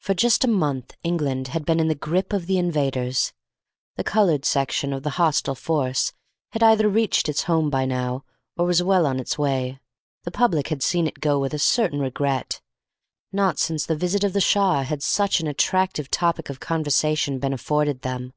For just a month England had been in the grip of the invaders. The coloured section of the hostile force had either reached its home by now, or was well on its way. The public had seen it go with a certain regret. Not since the visit of the Shah had such an attractive topic of conversation been afforded them.